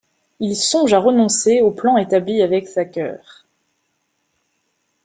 Il songe à renoncer au plan établi avec Thacker.